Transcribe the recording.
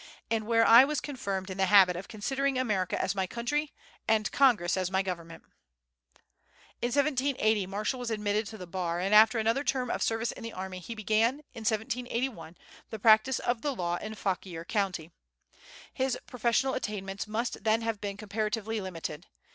and where I was confirmed in the habit of considering America as my country and Congress as my government." In 1780 Marshall was admitted to the Bar, and after another term of service in the army he began, in 1781, the practice of the law in Fauquier County. His professional attainments must then have been comparatively limited.